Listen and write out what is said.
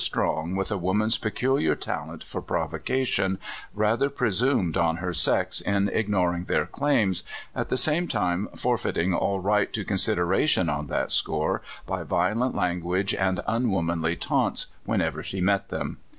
85 Strong, with a woman's peculiar talent for provo cation, rather presumed on her sex in ignoring their claims, at the same time forfeiting all right to consideration on that score by violent language and unwomanly taunts whenever she met them.